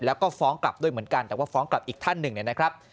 แล้วก็ฟ้องกลับด้วยเหมือนกันแต่ว่าฟ้องกลับอีกท่านหนึ่งเนี่ยนะครับ